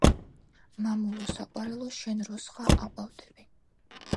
მამულო საყვარელო შენ როსღა აყვავდები